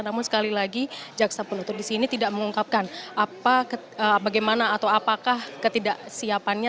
namun sekali lagi jaksa penutup di sini tidak mengungkapkan bagaimana atau apakah ketidaksiapannya